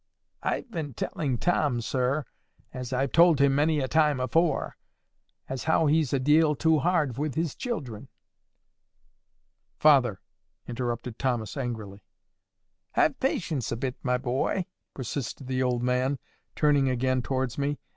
"I've been telling Tom, sir, as I've told him many a time afore, as how he's a deal too hard with his children." "Father!" interrupted Thomas, angrily. "Have patience a bit, my boy," persisted the old man, turning again towards me.